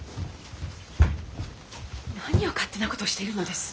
何を勝手なことをしているのです。